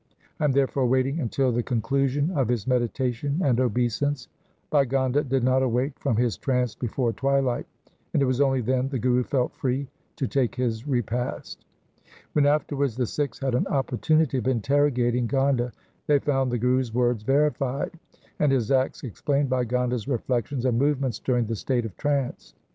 I am therefore waiting until the conclusion of his meditation and obeisance.' Bhai Gonda did not awake from his trance before twilight, and it was only then the Guru felt free to take his repast. When afterwards the Sikhs had an opportunity of interrogating Gonda they found the Guru's words verified and his acts explained by Gonda' s reflections and movements during the state of trance.